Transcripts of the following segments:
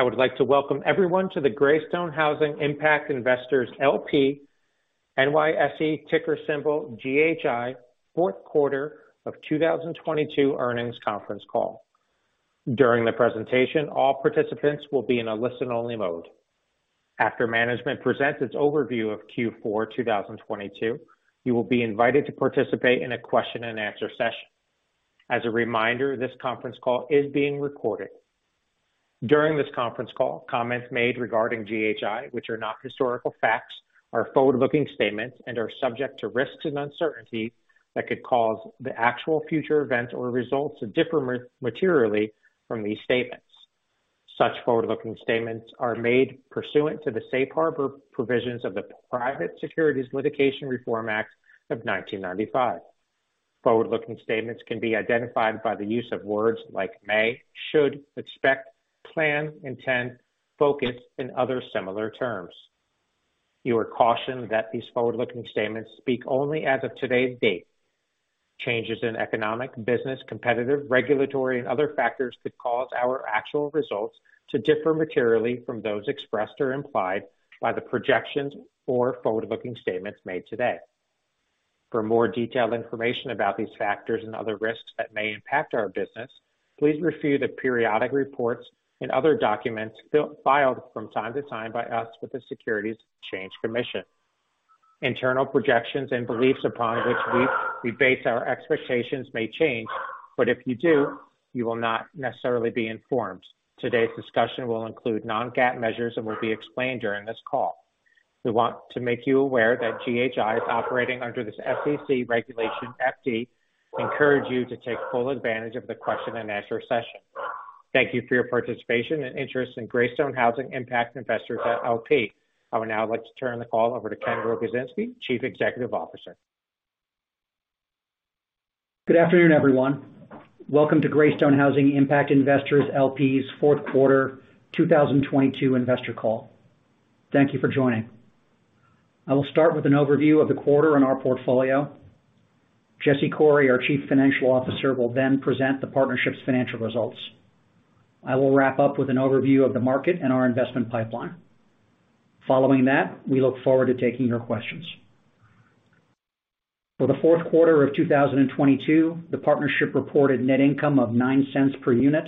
I would like to welcome everyone to the Greystone Housing Impact Investors LP, NYSE ticker symbol GHI, fourth quarter of 2022 earnings conference call. During the presentation, all participants will be in a listen-only mode. After management presents its overview of Q4 2022, you will be invited to participate in a question and answer session. As a reminder, this conference call is being recorded. During this conference call, comments made regarding GHI, which are not historical facts, are forward-looking statements and are subject to risks and uncertainties that could cause the actual future events or results to differ materially from these statements. Such forward-looking statements are made pursuant to the safe harbor provisions of the Private Securities Litigation Reform Act of 1995. Forward-looking statements can be identified by the use of words like may, should, expect, plan, intend, focus, and other similar terms. You are cautioned that these forward-looking statements speak only as of today's date. Changes in economic, business, competitive, regulatory, and other factors could cause our actual results to differ materially from those expressed or implied by the projections or forward-looking statements made today. For more detailed information about these factors and other risks that may impact our business, please review the periodic reports and other documents filed from time to time by us with the Securities and Exchange Commission. Internal projections and beliefs upon which we base our expectations may change, but if you do, you will not necessarily be informed. Today's discussion will include non-GAAP measures and will be explained during this call. We want to make you aware that GHI is operating under this SEC Regulation FD. Encourage you to take full advantage of the question and answer session. Thank you for your participation and interest in Greystone Housing Impact Investors LP. I would now like to turn the call over to Ken Rogozinski, Chief Executive Officer. Good afternoon, everyone. Welcome to Greystone Housing Impact Investors LP's fourth quarter 2022 investor call. Thank you for joining. I will start with an overview of the quarter on our portfolio. Jesse Coury, our Chief Financial Officer, will present the partnership's financial results. I will wrap up with an overview of the market and our investment pipeline. Following that, we look forward to taking your questions. For the fourth quarter of 2022, the partnership reported net income of $0.09 per unit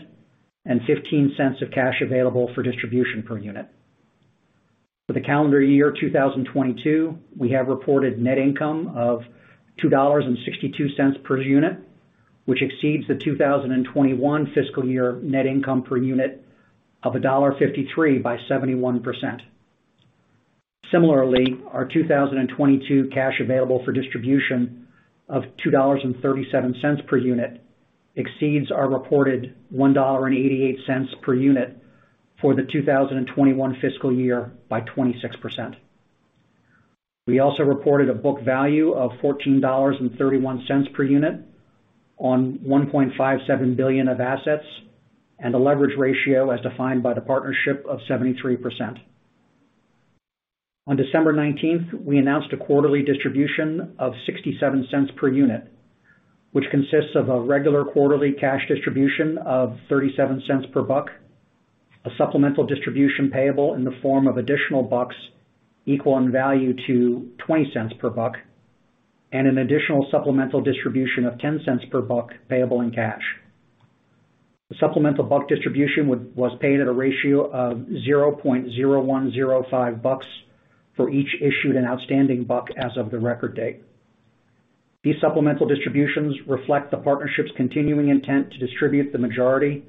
and $0.15 of cash available for distribution per unit. For the calendar year 2022, we have reported net income of $2.62 per unit, which exceeds the 2021 fiscal year net income per unit of $1.53 by 71%. Similarly, our 2022 cash available for distribution of $2.37 per unit exceeds our reported $1.88 per unit for the 2021 fiscal year by 26%. We also reported a book value of $14.31 per unit on $1.57 billion of assets and a leverage ratio as defined by the partnership of 73%. On December 19th, we announced a quarterly distribution of $0.67 per unit, which consists of a regular quarterly cash distribution of $0.37 per unit, a supplemental distribution payable in the form of additional units equal in value to $0.20 per unit, and an additional supplemental distribution of $0.10 per unit payable in cash. The supplemental buck distribution was paid at a ratio of $0.0105 bucks for each issued and outstanding buck as of the record date. These supplemental distributions reflect the partnership's continuing intent to distribute the majority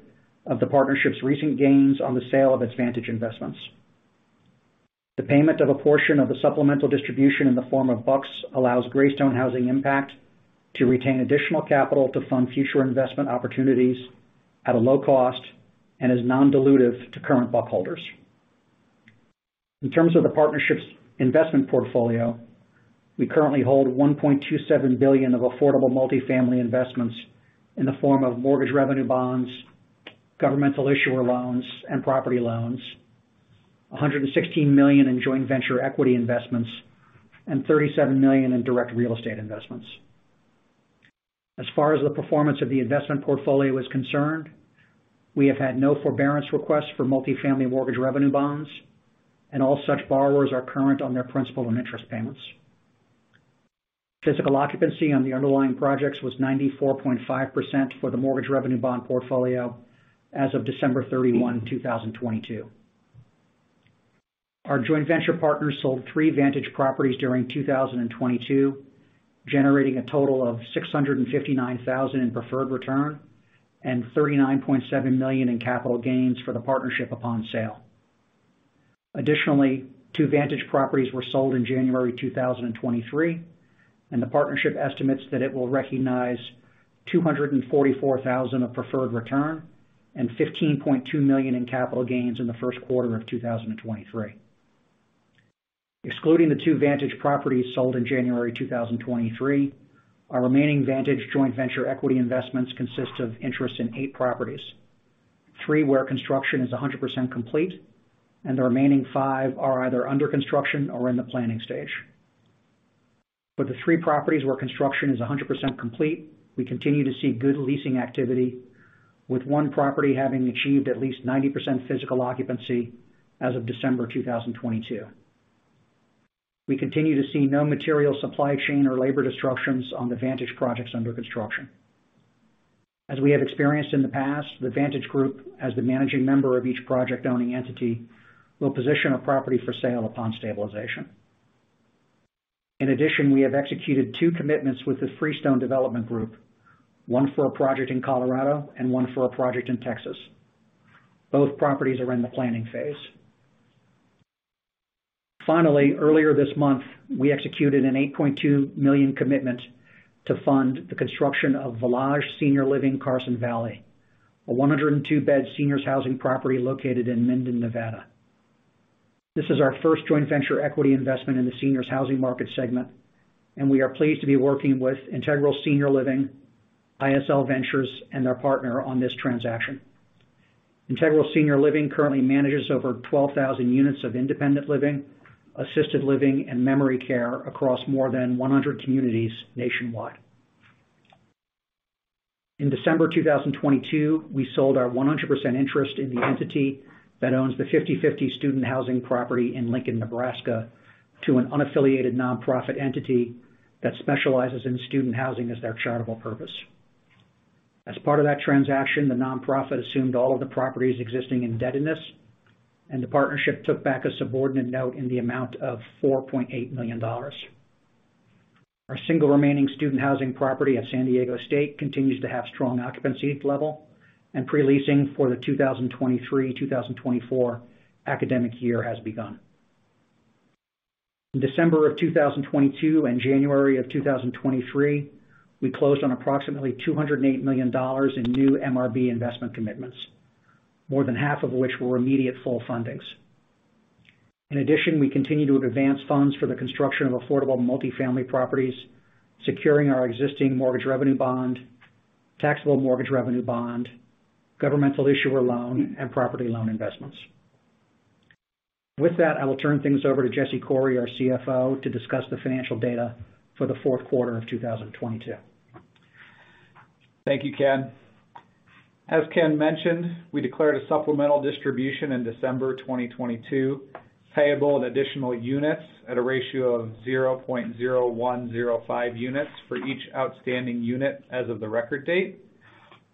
of the partnership's recent gains on the sale of its Vantage investments. The payment of a portion of the supplemental distribution in the form of bucks allows Greystone Housing Impact to retain additional capital to fund future investment opportunities at a low cost and is non-dilutive to current buck holders. In terms of the partnership's investment portfolio, we currently hold $1.27 billion of affordable multifamily investments in the form of mortgage revenue bonds, governmental issuer loans, and property loans. $116 million in joint venture equity investments and $37 million in direct real estate investments. As far as the performance of the investment portfolio is concerned, we have had no forbearance requests for multifamily mortgage revenue bonds, and all such borrowers are current on their principal and interest payments. Physical occupancy on the underlying projects was 94.5% for the mortgage revenue bond portfolio as of December 31, 2022. Our joint venture partners sold three Vantage properties during 2022, generating a total of $659,000 in preferred return and $39.7 million in capital gains for the partnership upon sale. Additionally, two Vantage properties were sold in January 2023, and the partnership estimates that it will recognize $244,000 of preferred return and $15.2 million in capital gains in the first quarter of 2023. Excluding the two Vantage properties sold in January 2023, our remaining Vantage joint venture equity investments consist of interest in eight properties. Three where construction is 100% complete, and the remaining five are either under construction or in the planning stage. For the three properties where construction is 100% complete, we continue to see good leasing activity, with one property having achieved at least 90% physical occupancy as of December 2022. We continue to see no material supply chain or labor disruptions on the Vantage projects under construction. As we have experienced in the past, the Vantage Group, as the managing member of each project-owning entity, will position a property for sale upon stabilization. In addition, we have executed two commitments with the Freestone Development Group, one for a project in Colorado and one for a project in Texas. Both properties are in the planning phase. Finally, earlier this month, we executed an $8.2 million commitment to fund the construction of Volage Senior Living Carson Valley, a 102-bed seniors housing property located in Minden, Nevada. This is our first joint venture equity investment in the seniors housing market segment, and we are pleased to be working with Integral Senior Living, ISL Ventures, and their partner on this transaction. Integral Senior Living currently manages over 12,000 units of independent living, assisted living, and memory care across more than 100 communities nationwide. In December 2022, we sold our 100% interest in the entity that owns the 50/50 student housing property in Lincoln, Nebraska, to an unaffiliated nonprofit entity that specializes in student housing as their charitable purpose. As part of that transaction, the nonprofit assumed all of the property's existing indebtedness. The partnership took back a subordinate note in the amount of $4.8 million. Our single remaining student housing property at San Diego State continues to have strong occupancy level. Pre-leasing for the 2023/2024 academic year has begun. In December of 2022 and January of 2023, we closed on approximately $208 million in new MRB investment commitments, more than half of which were immediate full fundings. In addition, we continue to advance funds for the construction of affordable multifamily properties, securing our existing mortgage revenue bond, taxable mortgage revenue bond, governmental issuer loan, and property loan investments. With that, I will turn things over to Jesse Coury, our CFO, to discuss the financial data for the fourth quarter of 2022. Thank you, Ken. As Ken mentioned, we declared a supplemental distribution in December 2022, payable in additional units at a ratio of 0.0105 units for each outstanding unit as of the record date.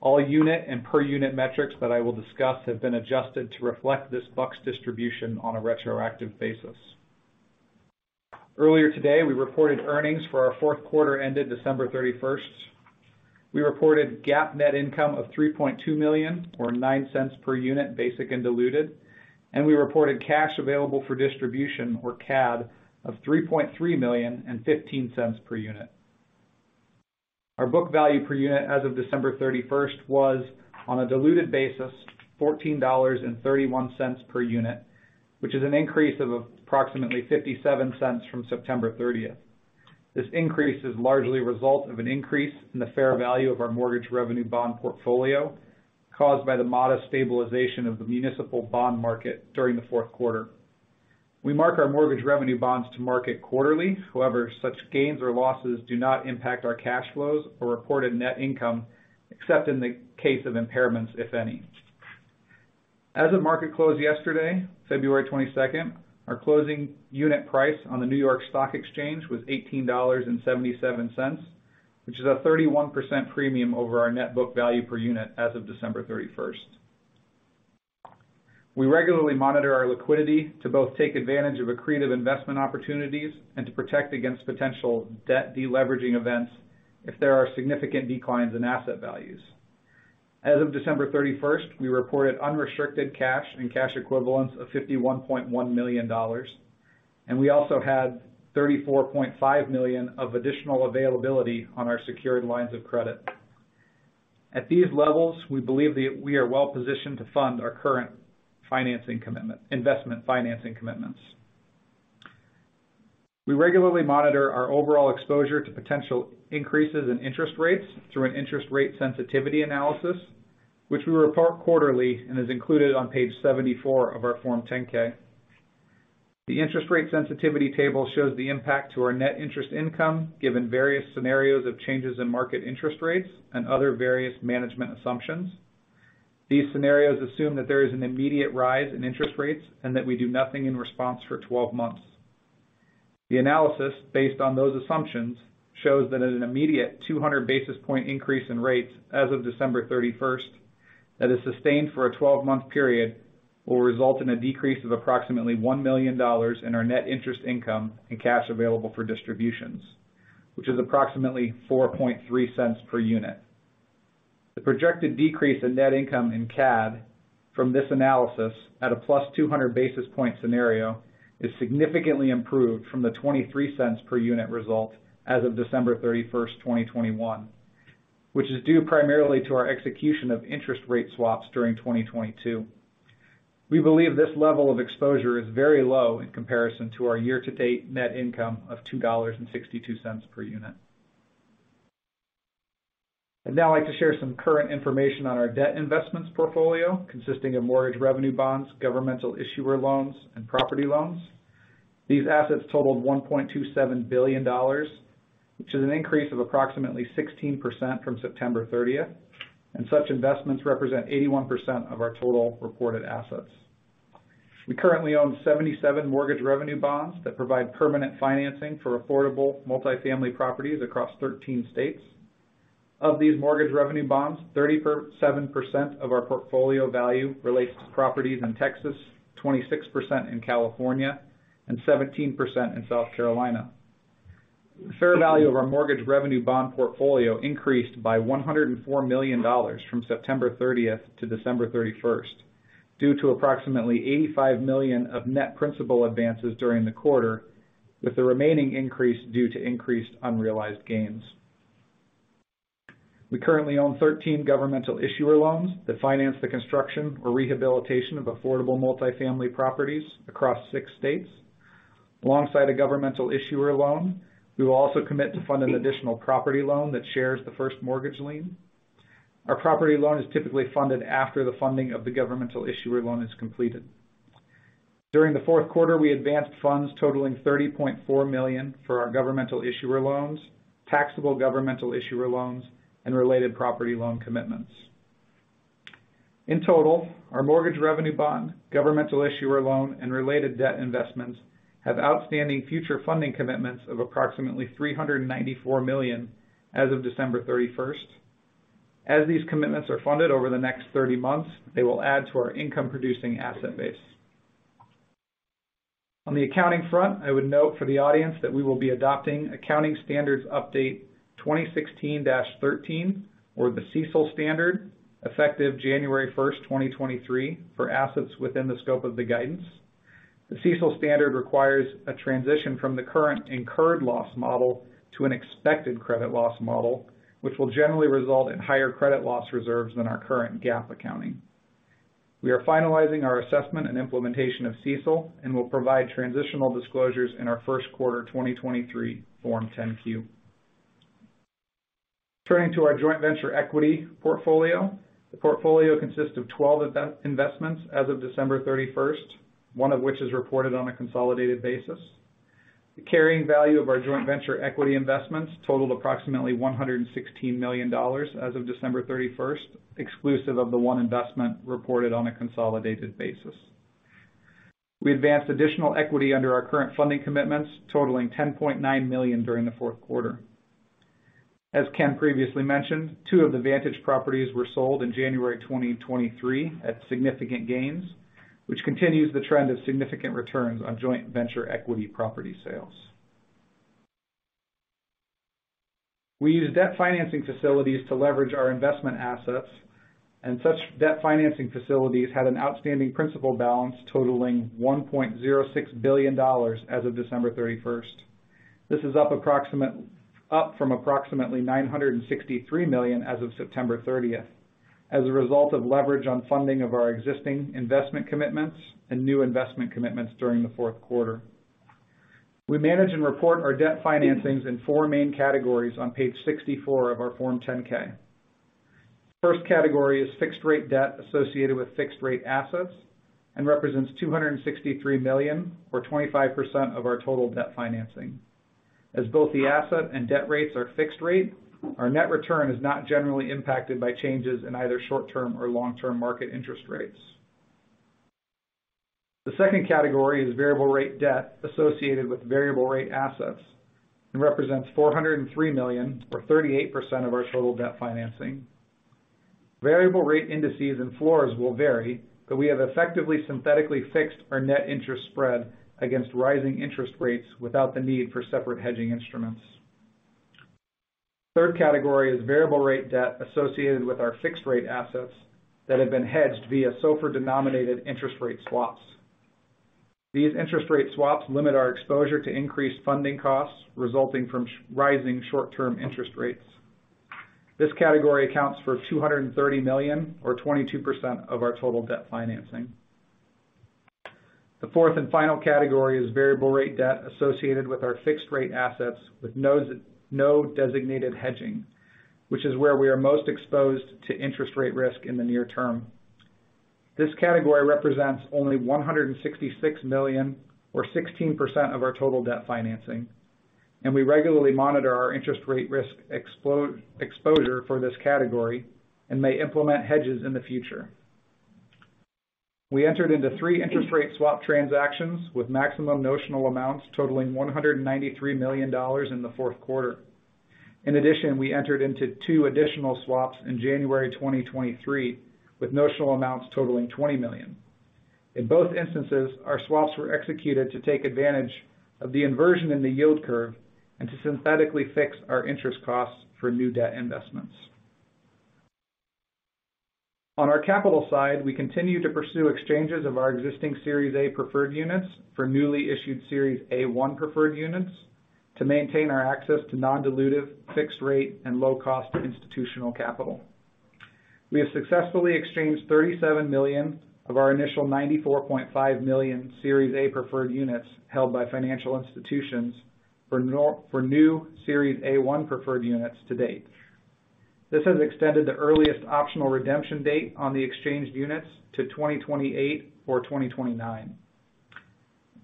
All unit and per-unit metrics that I will discuss have been adjusted to reflect this bucks distribution on a retroactive basis. Earlier today, we reported earnings for our fourth quarter ended December 31. We reported GAAP net income of $3.2 million, or $0.09 per unit, basic and diluted, and we reported cash available for distribution, or CAD, of $3.3 million and $0.15 per unit. Our book value per unit as of December 31 was, on a diluted basis, $14.31 per unit, which is an increase of approximately $0.57 from September 30th. This increase is largely a result of an increase in the fair value of our mortgage revenue bond portfolio caused by the modest stabilization of the municipal bond market during the fourth quarter. We mark our mortgage revenue bonds to market quarterly. However, such gains or losses do not impact our cash flows or reported net income, except in the case of impairments, if any. As of market close yesterday, February 22, our closing unit price on the New York Stock Exchange was $18.77, which is a 31% premium over our net book value per unit as of December 31. We regularly monitor our liquidity to both take advantage of accretive investment opportunities and to protect against potential debt deleveraging events if there are significant declines in asset values. As of December 31, we reported unrestricted cash and cash equivalents of $51.1 million, and we also had $34.5 million of additional availability on our secured lines of credit. At these levels, we believe that we are well positioned to fund our current investment financing commitments. We regularly monitor our overall exposure to potential increases in interest rates through an interest rate sensitivity analysis, which we report quarterly and is included on page 74 of our Form 10-K. The interest rate sensitivity table shows the impact to our net interest income given various scenarios of changes in market interest rates and other various management assumptions. These scenarios assume that there is an immediate rise in interest rates and that we do nothing in response for 12 months. The analysis based on those assumptions shows that at an immediate 200 basis point increase in rates as of December 31 that is sustained for a 12-month period will result in a decrease of approximately $1 million in our net interest income and cash available for distributions, which is approximately $0.043 per unit. The projected decrease in net income in CAD from this analysis at a +200 basis point scenario is significantly improved from the $0.23 per unit result as of December 31, 2021, which is due primarily to our execution of interest rate swaps during 2022. We believe this level of exposure is very low in comparison to our year-to-date net income of $2.62 per unit. I'd now like to share some current information on our debt investments portfolio consisting of mortgage revenue bonds, governmental issuer loans, and property loans. These assets totaled $1.27 billion, which is an increase of approximately 16% from September 30th, and such investments represent 81% of our total reported assets. We currently own 77 mortgage revenue bonds that provide permanent financing for affordable multifamily properties across 13 states. Of these mortgage revenue bonds, 37% of our portfolio value relates to properties in Texas, 26% in California, and 17% in South Carolina. The fair value of our mortgage revenue bond portfolio increased by $104 million from September 30th to December 31 due to approximately $85 million of net principal advances during the quarter, with the remaining increase due to increased unrealized gains. We currently own 13 governmental issuer loans that finance the construction or rehabilitation of affordable multifamily properties across six states. Alongside a governmental issuer loan, we will also commit to fund an additional property loan that shares the first mortgage lien. Our property loan is typically funded after the funding of the governmental issuer loan is completed. During the fourth quarter, we advanced funds totaling $30.4 million for our governmental issuer loans, taxable governmental issuer loans, and related property loan commitments. In total, our mortgage revenue bond, governmental issuer loan, and related debt investments have outstanding future funding commitments of approximately $394 million as of December 31. As these commitments are funded over the next 30 months, they will add to our income-producing asset base. On the accounting front, I would note for the audience that we will be adopting Accounting Standards Update 2016-13, or the CECL standard, effective January 1, 2023 for assets within the scope of the guidance. The CECL standard requires a transition from the current incurred loss model to an expected credit loss model, which will generally result in higher credit loss reserves than our current GAAP accounting. We are finalizing our assessment and implementation of CECL and will provide transitional disclosures in our first quarter 2023 Form 10-Q. Turning to our joint venture equity portfolio. The portfolio consists of 12 investments as of December thirty-first, one of which is reported on a consolidated basis. The carrying value of our joint venture equity investments totaled approximately $116 million as of December 31, exclusive of the one investment reported on a consolidated basis. We advanced additional equity under our current funding commitments totaling $10.9 million during the fourth quarter. As Ken previously mentioned, two of the Vantage properties were sold in January 2023 at significant gains, which continues the trend of significant returns on joint venture equity property sales. We use debt financing facilities to leverage our investment assets, and such debt financing facilities had an outstanding principal balance totaling $1.06 billion as of December 31. This is up from approximately $963 million as of September 30 as a result of leverage on funding of our existing investment commitments and new investment commitments during the fourth quarter. We manage and report our debt financings in four main categories on page 64 of our Form 10-K. First category is fixed-rate debt associated with fixed-rate assets and represents $263 million or 25% of our total debt financing. As both the asset and debt rates are fixed rate, our net return is not generally impacted by changes in either short-term or long-term market interest rates. The second category is variable rate debt associated with variable rate assets and represents $403 million or 38% of our total debt financing. Variable rate indices and floors will vary. We have effectively synthetically fixed our net interest spread against rising interest rates without the need for separate hedging instruments. Third category is variable rate debt associated with our fixed rate assets that have been hedged via SOFR-denominated interest rate swaps. These interest rate swaps limit our exposure to increased funding costs resulting from rising short-term interest rates. This category accounts for $230 million or 22% of our total debt financing. The fourth and final category is variable rate debt associated with our fixed rate assets with no designated hedging, which is where we are most exposed to interest rate risk in the near term. This category represents only $166 million or 16% of our total debt financing, and we regularly monitor our interest rate risk exposure for this category and may implement hedges in the future. We entered into three interest rate swap transactions with maximum notional amounts totaling $193 million in the fourth quarter. In addition, we entered into two additional swaps in January 2023, with notional amounts totaling $20 million. In both instances, our swaps were executed to take advantage of the inversion in the yield curve and to synthetically fix our interest costs for new debt investments. On our capital side, we continue to pursue exchanges of our existing Series A Preferred Units for newly issued Series A-1 Preferred Units to maintain our access to non-dilutive, fixed rate, and low-cost institutional capital. We have successfully exchanged $37 million of our initial $94.5 million Series A Preferred Units held by financial institutions for new Series A-1 Preferred Units to date. This has extended the earliest optional redemption date on the exchanged units to 2028 or 2029.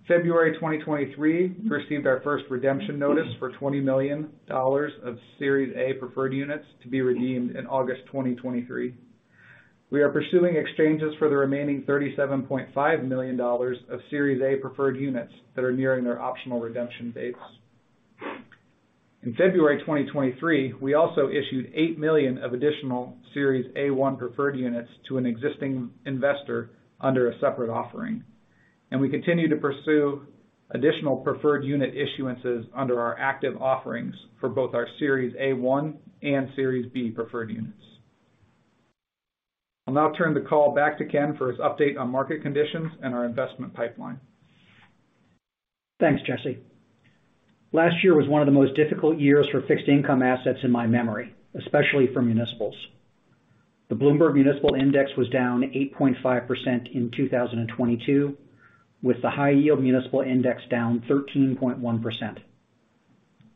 February 2023, we received our first redemption notice for $20 million of Series A Preferred Units to be redeemed in August 2023. We are pursuing exchanges for the remaining $37.5 million of Series A Preferred Units that are nearing their optional redemption dates. In February 2023, we also issued $8 million of additional Series A-1 Preferred Units to an existing investor under a separate offering. We continue to pursue additional preferred unit issuances under our active offerings for both our Series A-1 and Series B Preferred Units. I'll now turn the call back to Ken for his update on market conditions and our investment pipeline. Thanks, Jesse. Last year was one of the most difficult years for fixed income assets in my memory, especially for municipals. The Bloomberg Municipal Index was down 8.5% in 2022, with the high yield municipal index down 13.1%.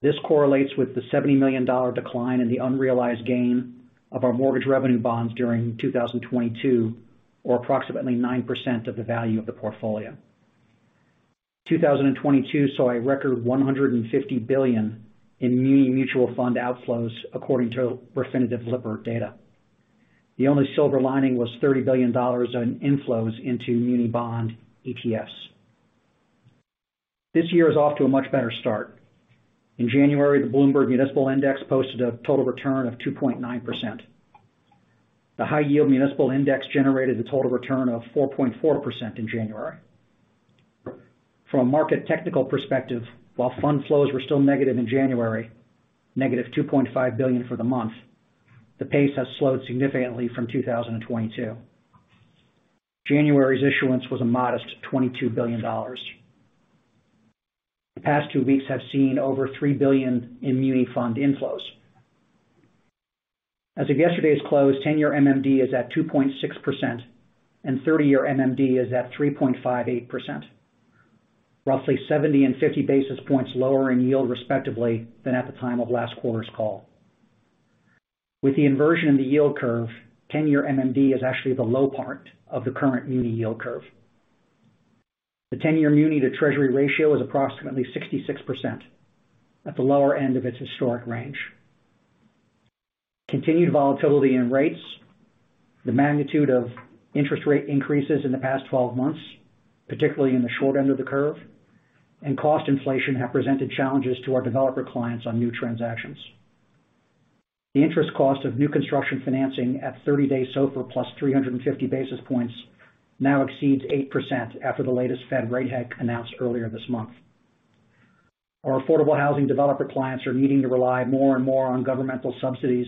This correlates with the $70 million decline in the unrealized gain of our mortgage revenue bonds during 2022, or approximately 9% of the value of the portfolio. 2022 saw a record $150 billion in muni mutual fund outflows according to Refinitiv Lipper data. The only silver lining was $30 billion in inflows into muni bond ETFs. This year is off to a much better start. In January, the Bloomberg Municipal Index posted a total return of 2.9%. The high yield municipal index generated a total return of 4.4% in January. From a market technical perspective, while fund flows were still negative in January, -$2.5 billion for the month, the pace has slowed significantly from 2022. January's issuance was a modest $22 billion. The past two weeks have seen over $3 billion in muni fund inflows. As of yesterday's close, 10-year MMD is at 2.6%, and 30-year MMD is at 3.58%. Roughly 70 and 50 basis points lower in yield respectively than at the time of last quarter's call. With the inversion of the yield curve, 10-year MMD is actually the low part of the current muni yield curve. The 10-year muni to treasury ratio is approximately 66%, at the lower end of its historic range. Continued volatility in rates, the magnitude of interest rate increases in the past 12 months, particularly in the short end of the curve, and cost inflation have presented challenges to our developer clients on new transactions. The interest cost of new construction financing at 30-day SOFR plus 350 basis points now exceeds 8% after the latest Fed rate hike announced earlier this month. Our affordable housing developer clients are needing to rely more and more on governmental subsidies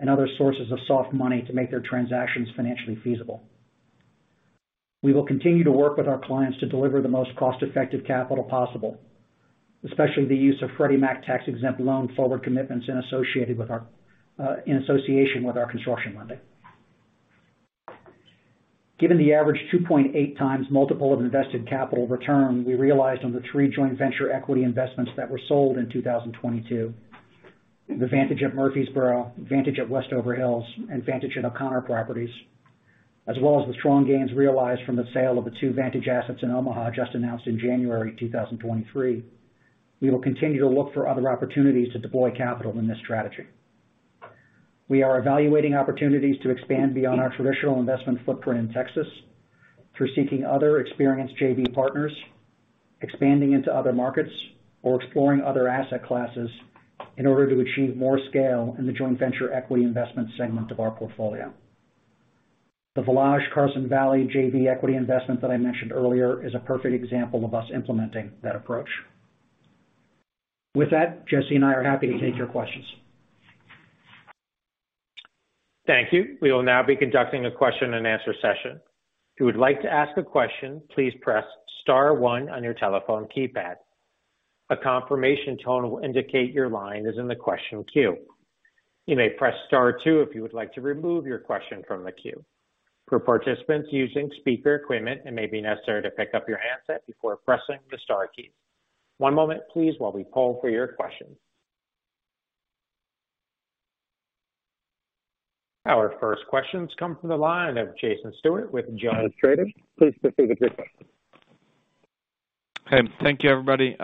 and other sources of soft money to make their transactions financially feasible. We will continue to work with our clients to deliver the most cost-effective capital possible, especially the use of Freddie Mac tax-exempt loan forward commitments and associated with our in association with our construction lending. Given the average 2.8x multiple of invested capital return we realized on the three joint venture equity investments that were sold in 2022, the Vantage at Murfreesboro, Vantage at Westover Hills, and Vantage at O'Connor properties, as well as the strong gains realized from the sale of the two Vantage assets in Omaha just announced in January 2023. We will continue to look for other opportunities to deploy capital in this strategy. We are evaluating opportunities to expand beyond our traditional investment footprint in Texas through seeking other experienced JV partners, expanding into other markets, or exploring other asset classes in order to achieve more scale in the joint venture equity investment segment of our portfolio. The Volage at Carson Valley JV equity investment that I mentioned earlier is a perfect example of us implementing that approach. Jesse and I are happy to take your questions. Thank you. We will now be conducting a question and answer session. If you would like to ask a question, please press star one on your telephone keypad. A confirmation tone will indicate your line is in the question queue. You may press star two if you would like to remove your question from the queue. For participants using speaker equipment, it may be necessary to pick up your handset before pressing the star key. One moment please while we poll for your questions. Our first questions come from the line of Jason Stewart with JonesTrading. Please proceed with your question. Hey. Thank you, everybody.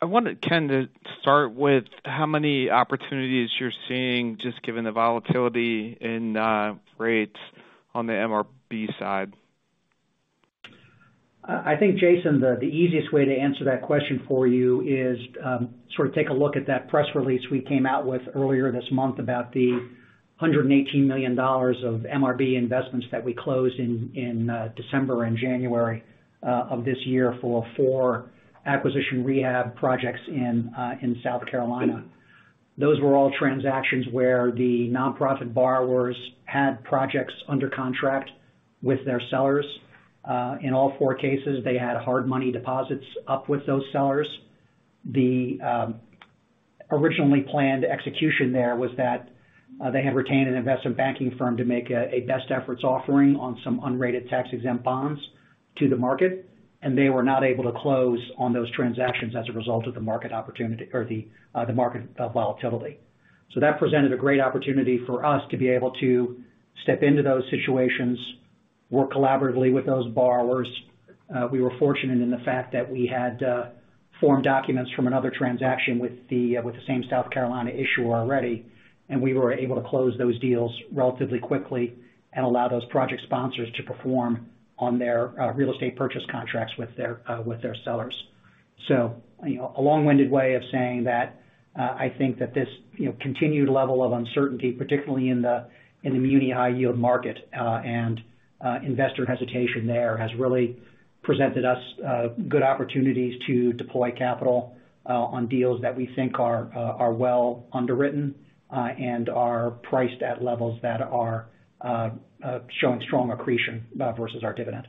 I wanted, Ken, to start with how many opportunities you're seeing just given the volatility in rates on the MRB side. I think, Jason, the easiest way to answer that question for you is sort of take a look at that press release we came out with earlier this month about the $118 million of MRB investments that we closed in December and January of this year for four acquisition rehab projects in South Carolina. Those were all transactions where the nonprofit borrowers had projects under contract with their sellers. In all four cases, they had hard money deposits up with those sellers. The originally planned execution there was that they had retained an investment banking firm to make a best efforts offering on some unrated tax-exempt bonds to the market, and they were not able to close on those transactions as a result of the market opportunity or the market volatility. That presented a great opportunity for us to be able to step into those situations, work collaboratively with those borrowers. We were fortunate in the fact that we had form documents from another transaction with the same South Carolina issuer already, and we were able to close those deals relatively quickly and allow those project sponsors to perform on their real estate purchase contracts with their sellers. You know, a long-winded way of saying that, I think that this, you know, continued level of uncertainty, particularly in the muni high yield market, and investor hesitation there has really presented us good opportunities to deploy capital on deals that we think are well underwritten, and are priced at levels that are showing strong accretion versus our dividend.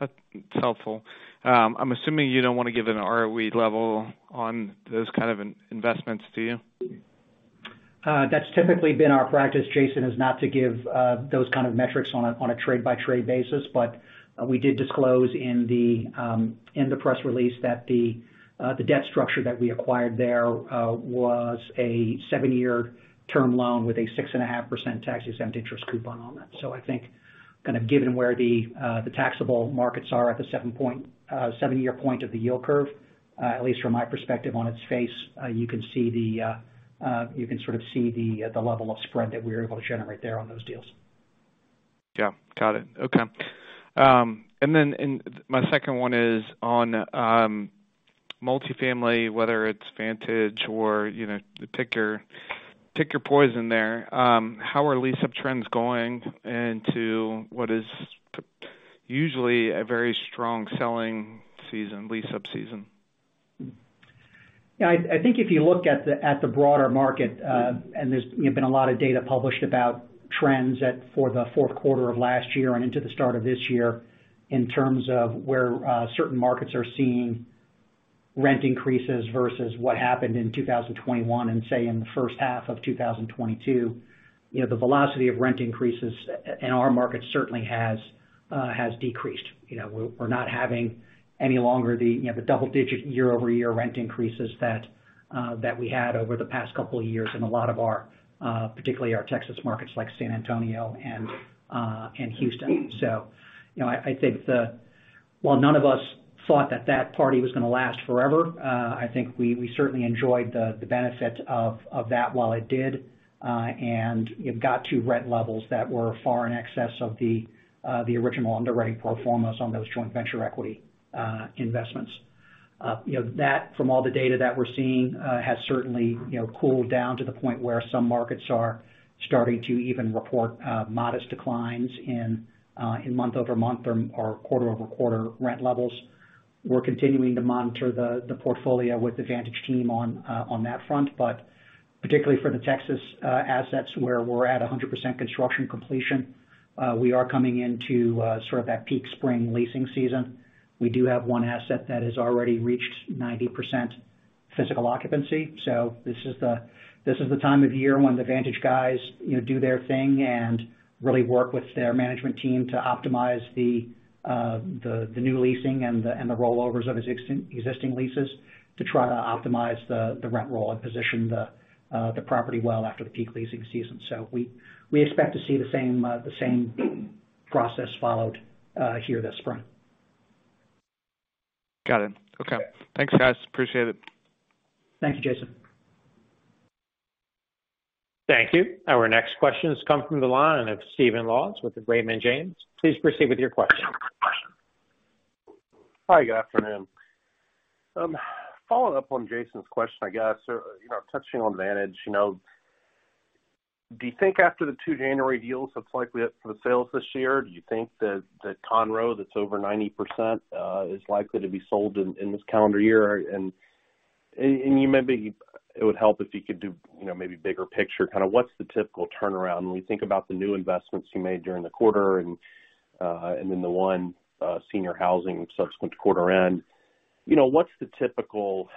That's helpful. I'm assuming you don't wanna give an ROE level on those kind of investments, do you? That's typically been our practice, Jason, is not to give those kind of metrics on a trade-by-trade basis. We did disclose in the press release that the debt structure that we acquired there was a seven-year term loan with a 6.5% tax-exempt interest coupon on that. I think kind of given where the taxable markets are at the seven-year point of the yield curve, at least from my perspective on its face, you can sort of see the level of spread that we're able to generate there on those deals. Yeah, got it. Okay. My second one is on, multifamily, whether it's Vantage or, you know, pick your, pick your poison there. How are lease-up trends going into what is usually a very strong selling season, lease-up season? Yeah. I think if you look at the broader market, and there's, you know, been a lot of data published about trends for the fourth quarter of last year and into the start of this year in terms of where certain markets are seeing rent increases versus what happened in 2021 and, say, in the first half of 2022. You know, the velocity of rent increases in our market certainly has decreased. You know, we're not having any longer the double-digit year-over-year rent increases that we had over the past couple of years in a lot of our, particularly our Texas markets like San Antonio and Houston. You know, I think the... While none of us thought that that party was gonna last forever, I think we certainly enjoyed the benefit of that while it did, it got to rent levels that were far in excess of the original underwriting pro formas on those joint venture equity, investments. You know, that from all the data that we're seeing, has certainly, you know, cooled down to the point where some markets are starting to even report, modest declines in month-over-month or quarter-over-quarter rent levels. We're continuing to monitor the portfolio with the Vantage team on that front. Particularly for the Texas, assets where we're at 100% construction completion, we are coming into, sort of that peak spring leasing season. We do have one asset that has already reached 90% physical occupancy. This is the time of year when the Vantage guys, you know, do their thing and really work with their management team to optimize the new leasing and the rollovers of existing leases to try to optimize the rent roll and position the property well after the peak leasing season. We expect to see the same process followed here this spring. Got it. Okay. Thanks, guys. Appreciate it. Thank you, Jason. Thank you. Our next question has come from the line of Stephen Laws with Raymond James. Please proceed with your question. Hi. Good afternoon. Following up on Jason's question, I guess, you know, touching on Vantage, you know, do you think after the two January deals that's likely up for the sales this year, do you think that Conroe that's over 90%, is likely to be sold in this calendar year? Maybe it would help if you could do, you know, maybe bigger picture kind of what's the typical turnaround when we think about the new investments you made during the quarter and then the one senior housing subsequent to quarter end. You know, what's the typical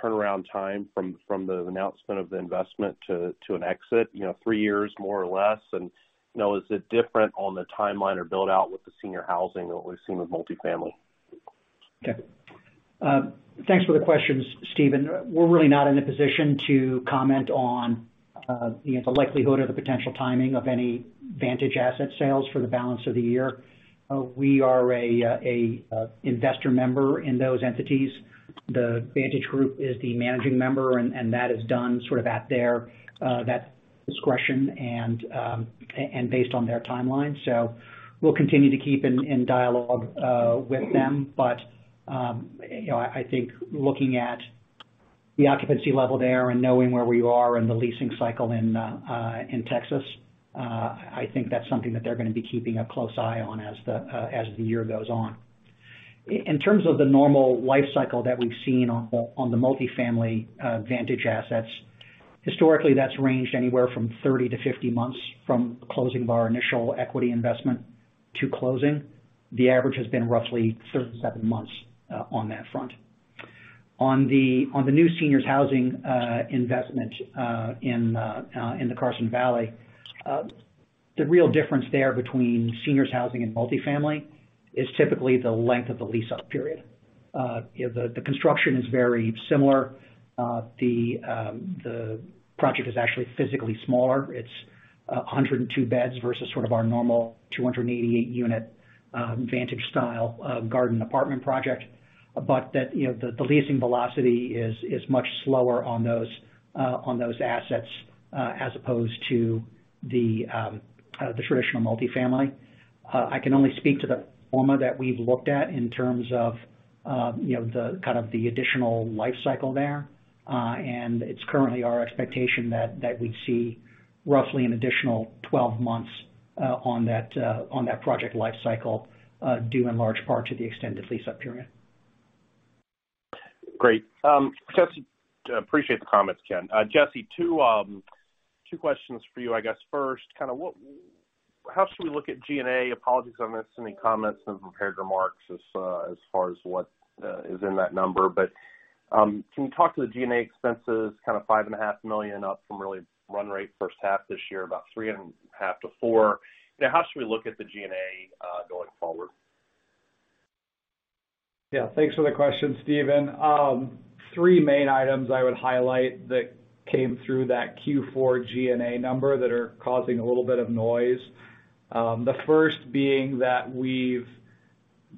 turnaround time from the announcement of the investment to an exit? You know, three years, more or less? Is it different on the timeline or build-out with the senior housing than what we've seen with multifamily? Okay. Thanks for the questions, Stephen. We're really not in a position to comment on, you know, the likelihood or the potential timing of any Vantage asset sales for the balance of the year. We are a investor member in those entities. The Vantage Group is the managing member, and that is done sort of at their that discretion and based on their timeline. We'll continue to keep in dialogue with them. You know, I think looking at the occupancy level there and knowing where we are in the leasing cycle in Texas, I think that's something that they're gonna be keeping a close eye on as the year goes on. In terms of the normal life cycle that we've seen on the, on the multifamily, Vantage assets. Historically, that's ranged anywhere from 30-50 months from closing of our initial equity investment to closing. The average has been roughly 37 months on that front. On the, on the new seniors housing investment in the Carson Valley, the real difference there between seniors housing and multifamily is typically the length of the lease-up period. You know, the construction is very similar. The project is actually physically smaller. It's 102 beds versus sort of our normal 288-unit Vantage style of garden apartment project. That, you know, the leasing velocity is much slower on those assets, as opposed to the traditional multifamily. I can only speak to the former that we've looked at in terms of, you know, the kind of the additional life cycle there. It's currently our expectation that we'd see roughly an additional 12 months on that project life cycle, due in large part to the extended lease-up period. Great. Just appreciate the comments, Ken. Jesse, two questions for you, I guess. First, how should we look at G&A? Apologies on this, any comments and prepared remarks as far as what is in that number. Can you talk to the G&A expenses kind of five and a half million up from really run rate first half this year, about three and a half to four? How should we look at the G&A going forward? Thanks for the question, Stephen. Three main items I would highlight that came through that Q4 G&A number that are causing a little bit of noise. The first being that we've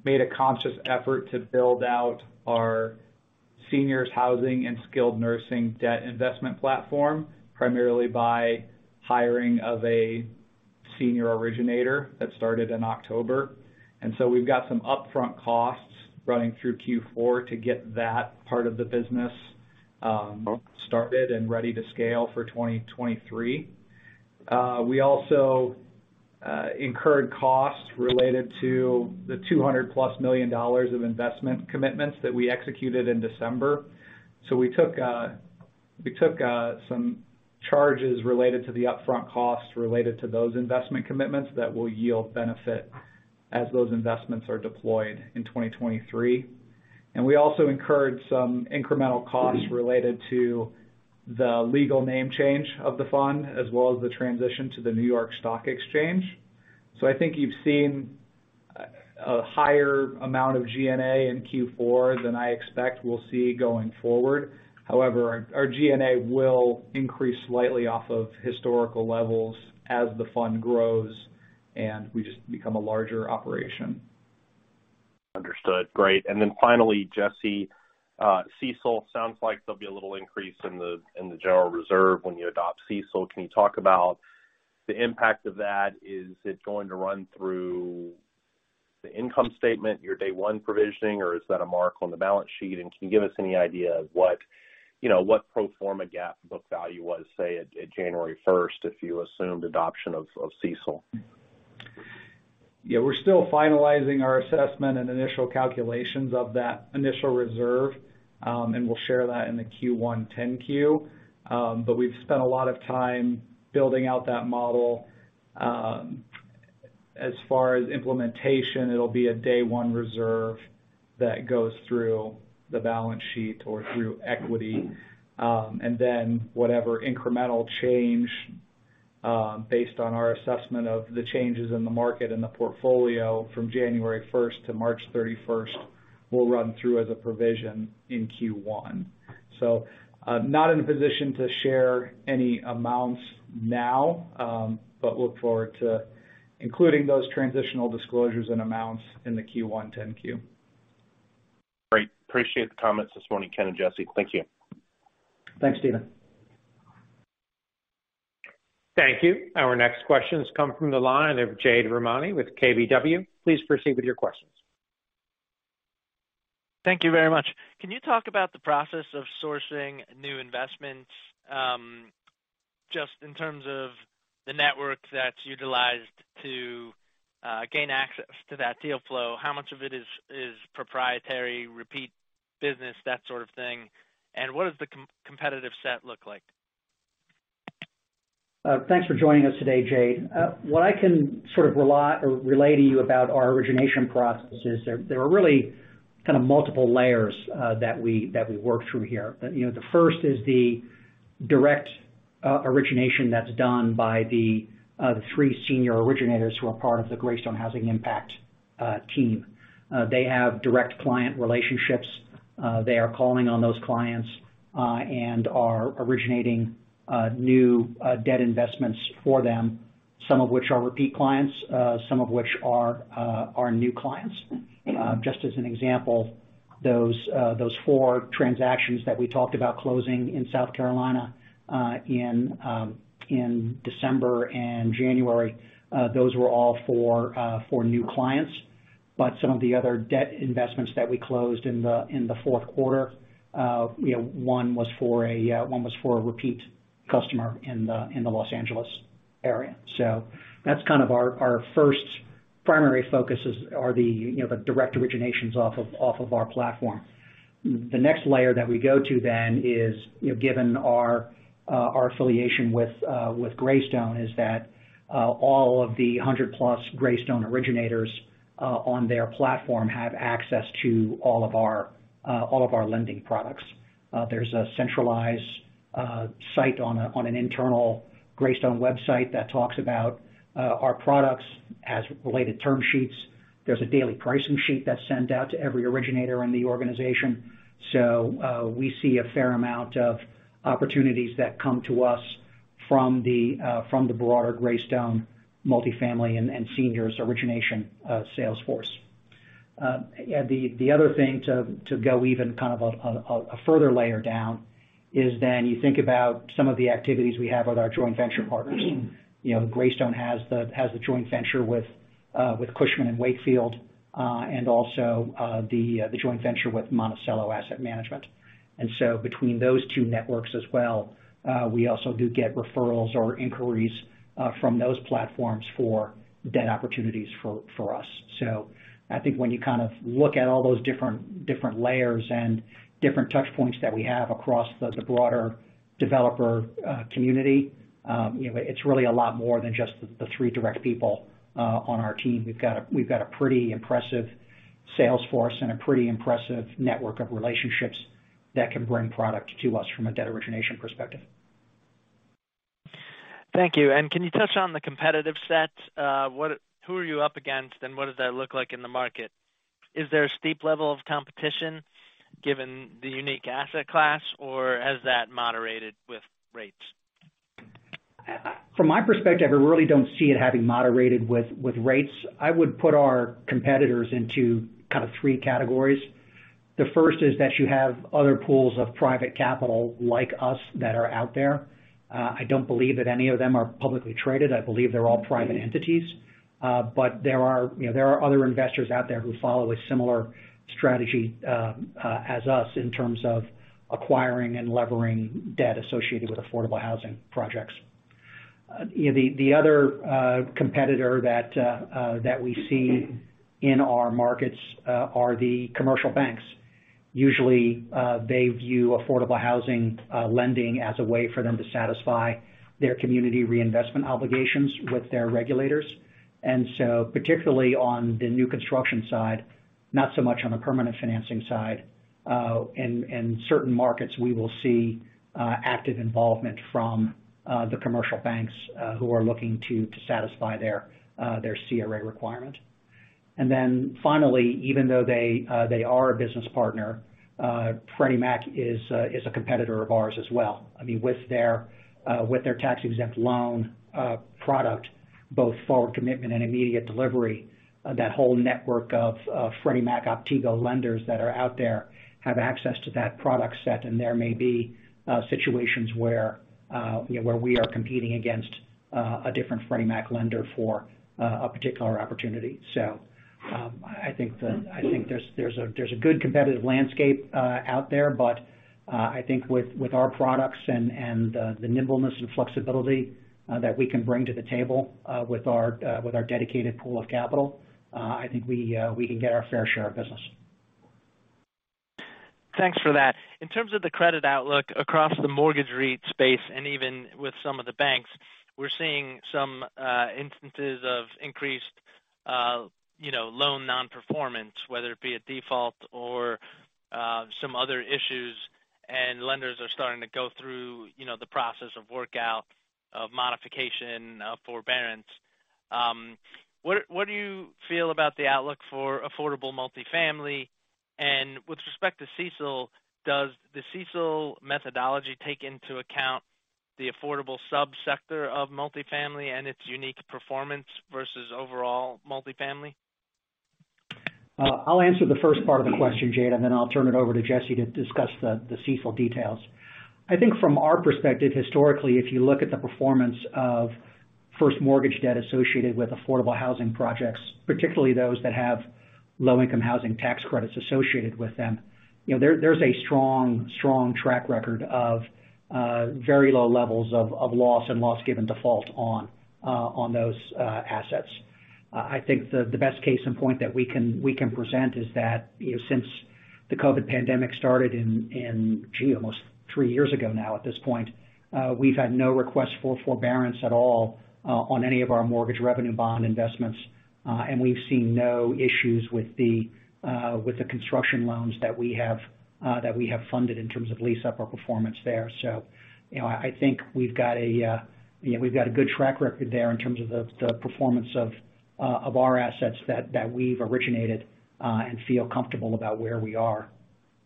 made a conscious effort to build out our seniors housing and skilled nursing debt investment platform, primarily by hiring of a senior originator that started in October. We've got some upfront costs running through Q4 to get that part of the business started and ready to scale for 2023. We also incurred costs related to the $200+ million of investment commitments that we executed in December. We took some charges related to the upfront costs related to those investment commitments that will yield benefit as those investments are deployed in 2023. We also incurred some incremental costs related to the legal name change of the fund, as well as the transition to the New York Stock Exchange. I think you've seen a higher amount of G&A in Q4 than I expect we'll see going forward. However, our G&A will increase slightly off of historical levels as the fund grows, and we just become a larger operation. Understood. Great. Finally, Jesse, CECL sounds like there'll be a little increase in the general reserve when you adopt CECL. Can you talk about the impact of that? Is it going to run through the income statement, your day one provisioning, or is that a mark on the balance sheet? Can you give us any idea of what, you know, what pro forma GAAP book value was, say, at January first, if you assumed adoption of CECL? Yeah. We're still finalizing our assessment and initial calculations of that initial reserve, and we'll share that in the Q1 10-Q. We've spent a lot of time building out that model. As far as implementation, it'll be a day one reserve that goes through the balance sheet or through equity. Whatever incremental change, based on our assessment of the changes in the market and the portfolio from January first to March thirty-first will run through as a provision in Q1. Not in a position to share any amounts now, look forward to including those transitional disclosures and amounts in the Q1 10-Q. Great. Appreciate the comments this morning, Ken and Jesse. Thank you. Thanks, Stephen. Thank you. Our next questions come from the line of Jade Rahmani with KBW. Please proceed with your questions. Thank you very much. Can you talk about the process of sourcing new investments, just in terms of the network that's utilized to gain access to that deal flow? How much of it is proprietary, repeat business, that sort of thing? What does the competitive set look like? Thanks for joining us today, Jade. What I can sort of relay to you about our origination processes, there are really kind of multiple layers that we work through here. You know, the first is the direct origination that's done by the three senior originators who are part of the Greystone Housing Impact team. They have direct client relationships. They are calling on those clients and are originating new debt investments for them, some of which are repeat clients, some of which are new clients. Just as an example, those four transactions that we talked about closing in South Carolina in December and January, those were all for new clients. Some of the other debt investments that we closed in the fourth quarter, you know, one was for a repeat customer in the Los Angeles area. That's kind of our first primary focuses are the, you know, the direct originations off of our platform. The next layer that we go to then is, you know, given our affiliation with Greystone, is that all of the 100-plus Greystone originators on their platform have access to all of our lending products. There's a centralized site on an internal Greystone website that talks about our products, has related term sheets. There's a daily pricing sheet that's sent out to every originator in the organization. We see a fair amount of opportunities that come to us from the broader Greystone multifamily and seniors origination sales force. The other thing to go even kind of a further layer down is then you think about some of the activities we have with our joint venture partners. You know, Greystone has the joint venture with Cushman & Wakefield and also the joint venture with Monticello Asset Management. Between those two networks as well, we also do get referrals or inquiries from those platforms for debt opportunities for us. I think when you kind of look at all those different layers and different touchpoints that we have across the broader developer community, you know, it's really a lot more than just the three direct people on our team. We've got a pretty impressive sales force and a pretty impressive network of relationships that can bring product to us from a debt origination perspective. Thank you. Can you touch on the competitive set? who are you up against, and what does that look like in the market? Is there a steep level of competition given the unique asset class, or has that moderated with rates? From my perspective, I really don't see it having moderated with rates. I would put our competitors into kind of three categories. The first is that you have other pools of private capital like us that are out there. I don't believe that any of them are publicly traded. I believe they're all private entities. There are, you know, there are other investors out there who follow a similar strategy as us in terms of acquiring and levering debt associated with affordable housing projects. You know, the other competitor that we see in our markets are the commercial banks. Usually, they view affordable housing lending as a way for them to satisfy their community reinvestment obligations with their regulators. Particularly on the new construction side, not so much on the permanent financing side, in certain markets, we will see active involvement from the commercial banks who are looking to satisfy their CRA requirement. Finally, even though they are a business partner, Freddie Mac is a competitor of ours as well. I mean, with their tax-exempt loan product, both forward commitment and immediate delivery, that whole network of Freddie Mac Optigo lenders that are out there have access to that product set, and there may be situations where, you know, where we are competing against a different Freddie Mac lender for a particular opportunity. I think there's a good competitive landscape out there, but I think with our products and the nimbleness and flexibility that we can bring to the table with our dedicated pool of capital, I think we can get our fair share of business. Thanks for that. In terms of the credit outlook across the mortgage REIT space and even with some of the banks, we're seeing some instances of increased, you know, loan non-performance, whether it be a default or some other issues, and lenders are starting to go through, you know, the process of workout, of modification, of forbearance. What do you feel about the outlook for affordable multifamily? With respect to CECL, does the CECL methodology take into account the affordable sub-sector of multifamily and its unique performance versus overall multifamily? I'll answer the first part of the question, Jay, and then I'll turn it over to Jesse to discuss the CECL details. I think from our perspective, historically, if you look at the performance of first mortgage debt associated with affordable housing projects, particularly those that have low-income housing tax credits associated with them, you know, there's a strong track record of very low levels of loss and loss given default on those assets. I think the best case in point that we can present is that, you know, since the COVID pandemic started in, gee, almost three years ago now at this point, we've had no requests for forbearance at all on any of our mortgage revenue bond investments. We've seen no issues with the construction loans that we have funded in terms of lease-up or performance there. You know, I think we've got a, you know, we've got a good track record there in terms of the performance of our assets that we've originated, and feel comfortable about where we are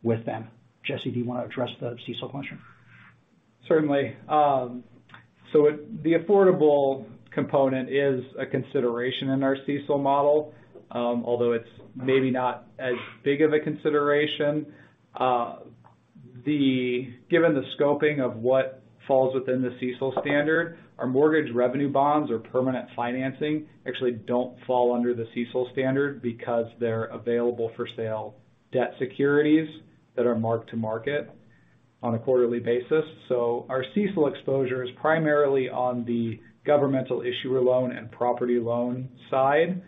with them. Jesse, do you wanna address the CECL question? Certainly. The affordable component is a consideration in our CECL model, although it's maybe not as big of a consideration. Given the scoping of what falls within the CECL standard, our mortgage revenue bonds or permanent financing actually don't fall under the CECL standard because they're available-for-sale debt securities that are marked to market. On a quarterly basis. Our CECL exposure is primarily on the governmental issuer loan and property loan side.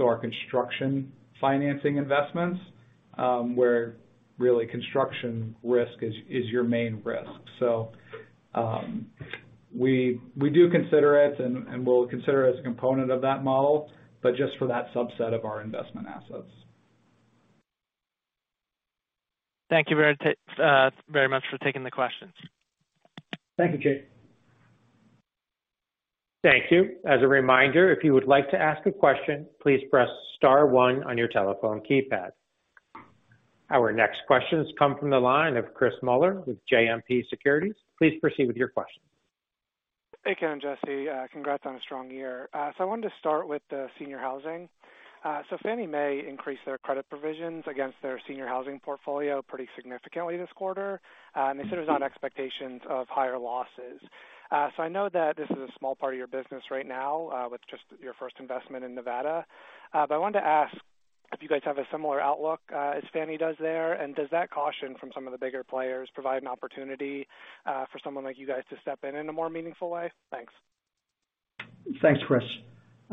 Our construction financing investments, where really construction risk is your main risk. We do consider it and we'll consider it as a component of that model, but just for that subset of our investment assets. Thank you very much for taking the questions. Thank you, Jake. Thank you. As a reminder, if you would like to ask a question, please press star one on your telephone keypad. Our next questions come from the line of Chris Muller with JMP Securities. Please proceed with your question. Hey, Ken and Jesse. Congrats on a strong year. I wanted to start with the senior housing. Fannie Mae increased their credit provisions against their senior housing portfolio pretty significantly this quarter, and they said it was on expectations of higher losses. I know that this is a small part of your business right now, with just your first investment in Nevada. I wanted to ask if you guys have a similar outlook as Fannie does there, and does that caution from some of the bigger players provide an opportunity for someone like you guys to step in in a more meaningful way? Thanks. Thanks, Chris.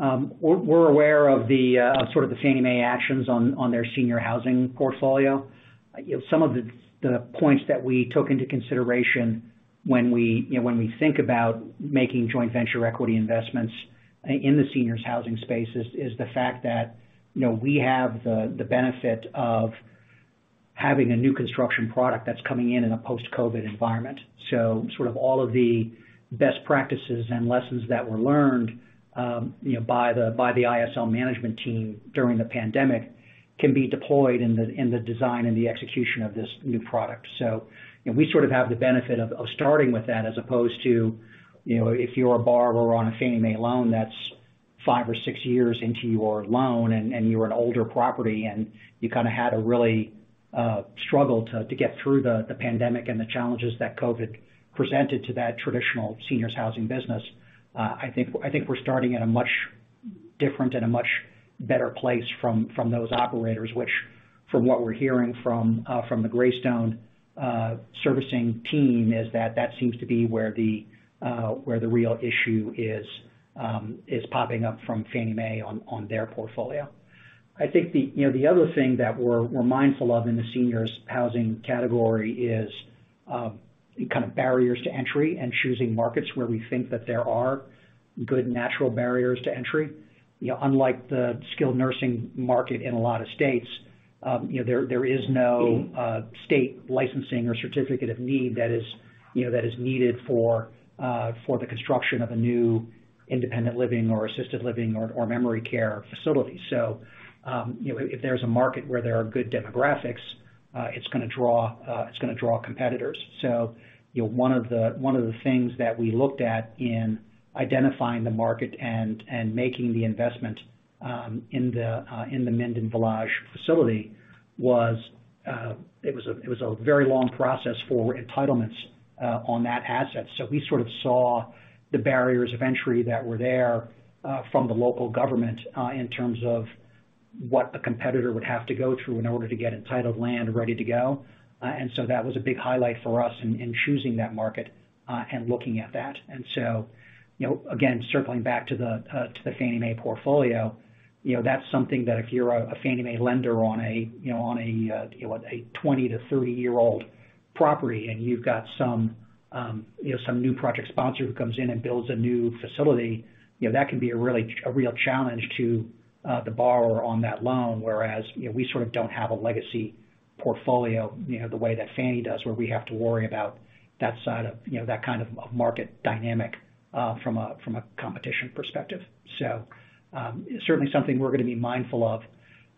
We're aware of the sort of the Fannie Mae actions on their senior housing portfolio. You know, some of the points that we took into consideration when we, you know, when we think about making joint venture equity investments in the seniors housing space is the fact that, you know, we have the benefit of having a new construction product that's coming in in a post-COVID environment. Sort of all of the best practices and lessons that were learned, you know, by the ISL management team during the pandemic can be deployed in the design and the execution of this new product. You know, we sort of have the benefit of starting with that as opposed to, you know, if you're a borrower on a Fannie Mae loan that's five or six years into your loan and you're an older property, and you kinda had a really struggle to get through the pandemic and the challenges that COVID presented to that traditional seniors housing business. I think we're starting at a much different and a much better place from those operators, which from what we're hearing from the Greystone servicing team, is that that seems to be where the real issue is popping up from Fannie Mae on their portfolio. I think the, you know, the other thing that we're mindful of in the seniors housing category is kind of barriers to entry and choosing markets where we think that there are good natural barriers to entry. You know, unlike the skilled nursing market in a lot of states, you know, there is no state licensing or certificate of need that is needed for the construction of a new independent living or assisted living or memory care facility. You know, if there's a market where there are good demographics, it's gonna draw competitors. You know, one of the things that we looked at in identifying the market and making the investment in the Minden Village facility was it was a very long process for entitlements on that asset. We sort of saw the barriers of entry that were there from the local government in terms of what a competitor would have to go through in order to get entitled land ready to go. That was a big highlight for us in choosing that market and looking at that. You know, again, circling back to the Fannie Mae portfolio, you know, that's something that if you're a Fannie Mae lender on a, you know, on a, you know, a 20- to 30-year-old property and you've got some, you know, some new project sponsor who comes in and builds a new facility, you know, that can be a real challenge to the borrower on that loan. Whereas, you know, we sort of don't have a legacy portfolio, you know, the way that Fannie does, where we have to worry about that side of, you know, that kind of market dynamic from a competition perspective. Certainly something we're gonna be mindful of.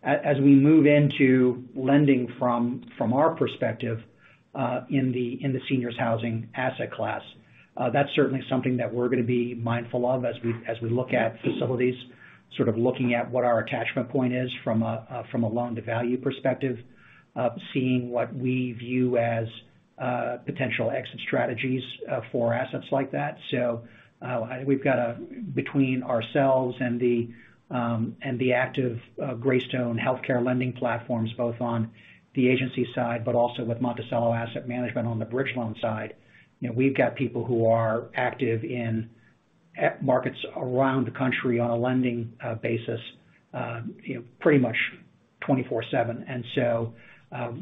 As we move into lending from our perspective, in the senior housing asset class, that's certainly something that we're going to be mindful of as we look at facilities, sort of looking at what our attachment point is from a loan-to-value perspective, seeing what we view as potential exit strategies for assets like that. We've got between ourselves and the active Greystone healthcare lending platforms, both on the agency side, but also with Monticello Asset Management on the bridge loan side, you know, we've got people who are active in markets around the country on a lending basis, you know, pretty much 24/7.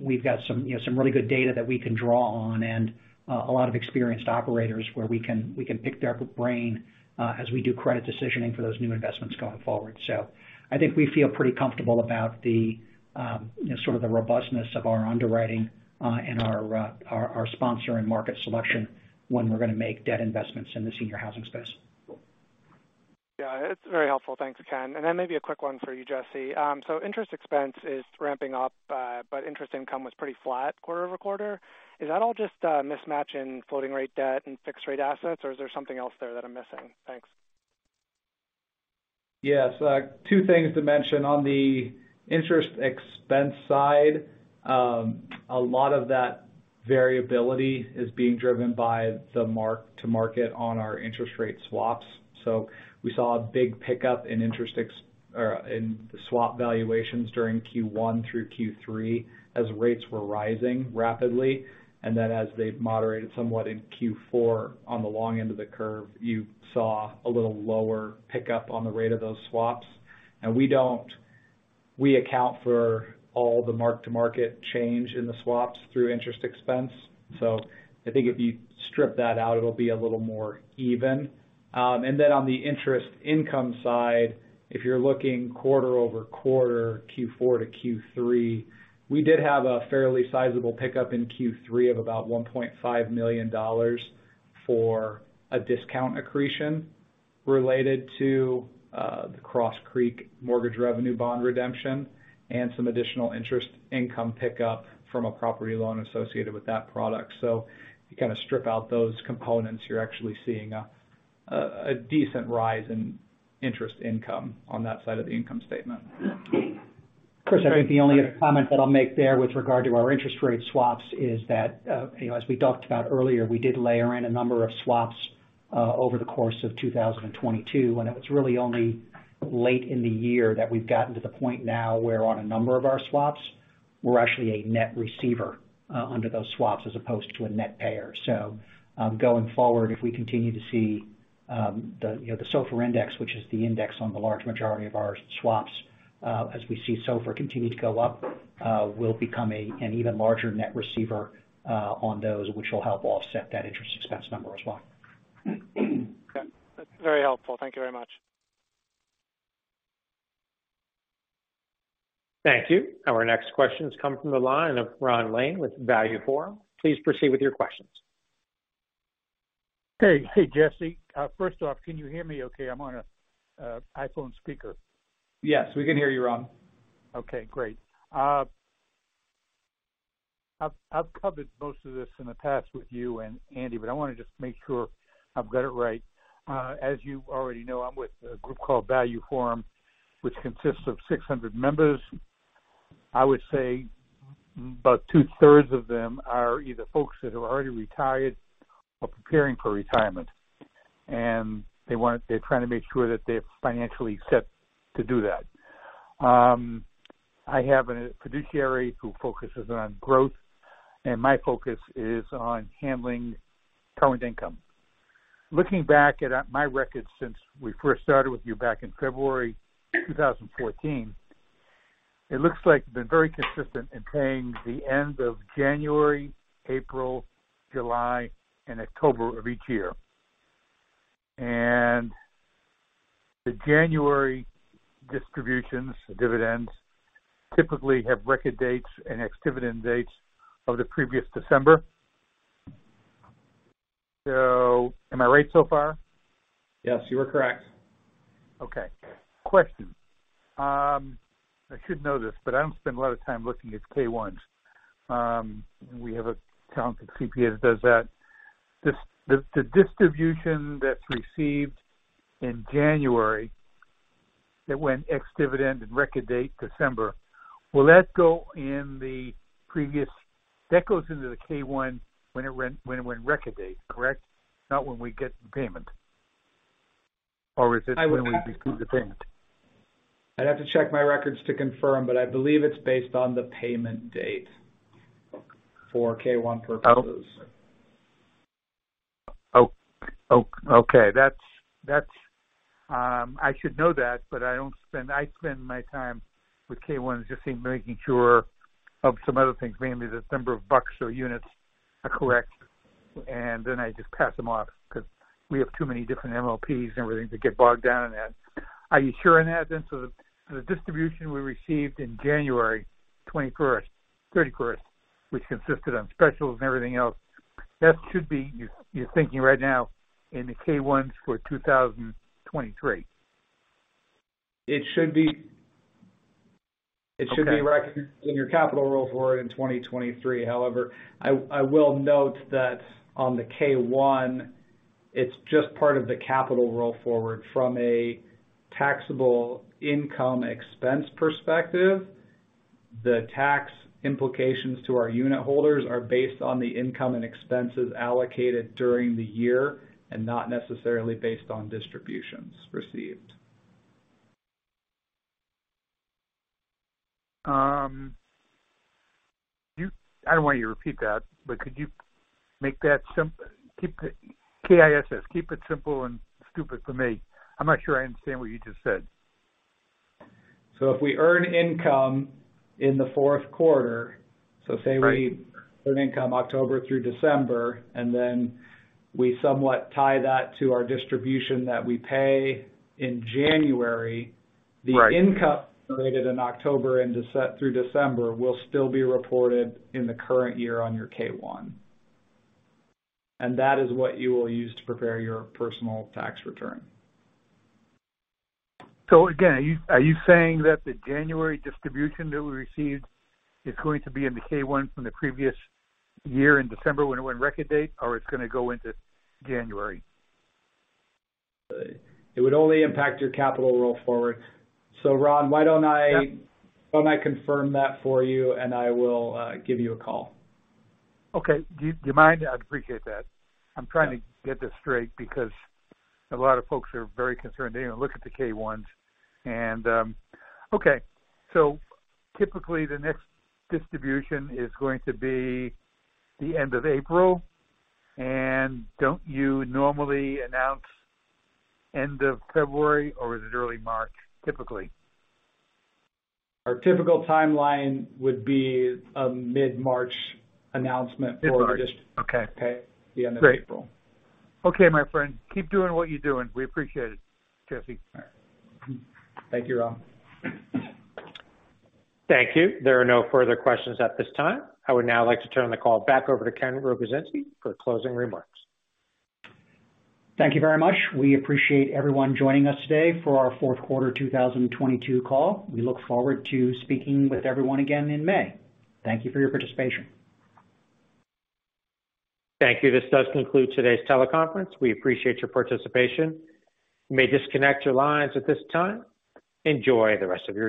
We've got some, you know, some really good data that we can draw on and a lot of experienced operators where we can pick their brain, as we do credit decisioning for those new investments going forward. I think we feel pretty comfortable about the, you know, sort of the robustness of our underwriting, and our sponsor and market selection when we're gonna make debt investments in the senior housing space. Yeah, it's very helpful. Thanks, Ken. Maybe a quick one for you, Jesse. Interest expense is ramping up, interest income was pretty flat quarter-over-quarter. Is that all just a mismatch in floating rate debt and fixed rate assets, or is there something else there that I'm missing? Thanks. Yes. Two things to mention. On the interest expense side, a lot of that variability is being driven by the mark-to-market on our interest rate swaps. We saw a big pickup in swap valuations during Q1 through Q3 as rates were rising rapidly, and then as they've moderated somewhat in Q4 on the long end of the curve, you saw a little lower pickup on the rate of those swaps. We account for all the mark-to-market change in the swaps through interest expense. I think if you strip that out, it'll be a little more even. On the interest income side, if you're looking quarter-over-quarter, Q4 to Q3, we did have a fairly sizable pickup in Q3 of about $1.5 million for a discount accretion related to the Cross Creek mortgage revenue bond redemption and some additional interest income pickup from a property loan associated with that product. If you kinda strip out those components, you're actually seeing a decent rise in interest income on that side of the income statement. Chris, I think the only other comment that I'll make there with regard to our interest rate swaps is that, you know, as we talked about earlier, we did layer in a number of swaps over the course of 2022, and it's really only late in the year that we've gotten to the point now where on a number of our swaps, we're actually a net receiver under those swaps as opposed to a net payer. Going forward, if we continue to see, the, you know, the SOFR index, which is the index on the large majority of our swaps, as we see SOFR continue to go up, we'll become an even larger net receiver on those which will help offset that interest expense number as well. Okay. That's very helpful. Thank you very much. Thank you. Our next question's come from the line of Ron Lane with ValueForum. Please proceed with your questions. Hey. Hey, Jesse. First off, can you hear me okay? I'm on a iPhone speaker. Yes, we can hear you, Ron. Okay, great. I've covered most of this in the past with you and Andy, but I wanna just make sure I've got it right. As you already know, I'm with a group called ValueForum, which consists of 600 members. I would say about two-thirds of them are either folks that have already retired or preparing for retirement, and they're trying to make sure that they're financially set to do that. I have a fiduciary who focuses on growth, and my focus is on handling current income. Looking back at my records since we first started with you back in February 2014, it looks like you've been very consistent in paying the end of January, April, July, and October of each year. The January distributions, the dividends, typically have record dates and ex-dividend dates of the previous December. Am I right so far? Yes, you are correct. Okay. Question. I should know this, but I don't spend a lot of time looking at K-1s. We have a talented CPA that does that. The distribution that's received in January that went ex-dividend and record date December. That goes into the K-1 when it went record date, correct? Not when we get the payment. Or is it when we receive the payment? I'd have to check my records to confirm, but I believe it's based on the payment date for K-1 purposes. Okay. That's. I should know that, but I spend my time with K-1s just in making sure of some other things, mainly the number of bucks or units are correct, and then I just pass them off because we have too many different MLPs and everything to get bogged down in that. Are you sure on that then? The distribution we received in January 21, 31, which consisted on specials and everything else, that should be, you're thinking right now in the K-1s for 2023. It should be recognized in your capital roll forward in 2023. However, I will note that on the K-1, it's just part of the capital roll forward from a taxable income expense perspective. The tax implications to our unitholders are based on the income and expenses allocated during the year and not necessarily based on distributions received. I don't want you to repeat that. Could you make that Keep it KISS. Keep it simple and stupid for me. I'm not sure I understand what you just said. If we earn income in the fourth quarter, so say we earn income October through December, and then we somewhat tie that to our distribution that we pay in January. Right. the income generated in October and through December will still be reported in the current year on your K-1. That is what you will use to prepare your personal tax return. Again, are you saying that the January distribution that we received is going to be in the K-1 from the previous year in December when it went record date, or it's gonna go into January? It would only impact your capital roll forward. Ron, why don't. Yeah. Why don't I confirm that for you, and I will give you a call. Okay. Do you mind? I'd appreciate that. I'm trying to get this straight because a lot of folks are very concerned. They don't look at the K-1s. Okay. Typically the next distribution is going to be the end of April. Don't you normally announce end of February, or is it early March, typically? Our typical timeline would be a mid-March announcement for the. Mid-March. Okay. The end of April. Great. Okay, my friend. Keep doing what you're doing. We appreciate it, Jesse. All right. Thank you, Ron. Thank you. There are no further questions at this time. I would now like to turn the call back over to Ken Rogozinski for closing remarks. Thank you very much. We appreciate everyone joining us today for our fourth quarter 2022 call. We look forward to speaking with everyone again in May. Thank you for your participation. Thank you. This does conclude today's teleconference. We appreciate your participation. You may disconnect your lines at this time. Enjoy the rest of your day.